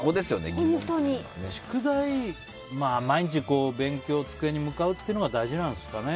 毎日勉強、机に向かうというのが大事なんですかね。